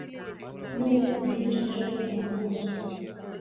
Mimi sijui chochote kumhusu